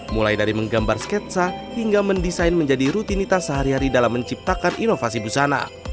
mulai dari menggambar sketsa hingga mendesain menjadi rutinitas sehari hari dalam menciptakan inovasi busana